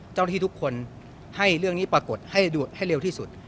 เจ้าหน้าที่ทุกคนให้เรื่องนี้ปรากฏให้เร็วที่สุด